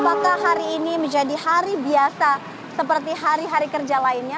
apakah hari ini menjadi hari biasa seperti hari hari kerja lainnya